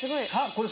これ。